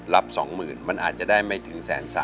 รับ๒๐๐๐๐บาทมันอาจจะได้ไม่ถึงแสน๓